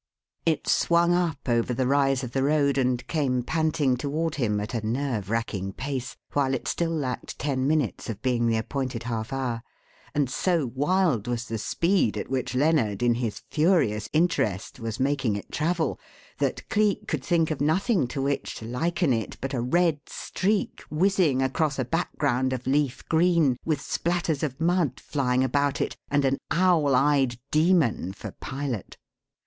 It swung up over the rise of the road and came panting toward him at a nerve racking pace while it still lacked ten minutes of being the appointed half hour, and so wild was the speed at which Lennard, in his furious interest, was making it travel that Cleek could think of nothing to which to liken it but a red streak whizzing across a background of leaf green with splatters of mud flying about it and an owl eyed demon for pilot.